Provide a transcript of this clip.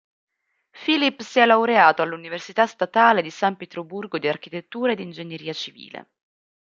Philipp si è laureato all’Università Statale di San Pietroburgo di Architettura ed Ingegneria Civile.